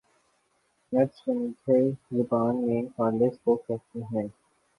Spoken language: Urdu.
نج سندھی زبان میں خالص کوکہتے ہیں۔